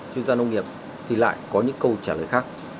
chuyên gia nông nghiệp thì lại có những câu trả lời khác